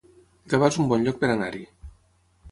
Gavà es un bon lloc per anar-hi